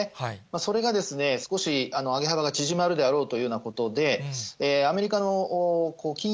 それが少し上げ幅が縮まるであろうというようなことで、アメリカの金融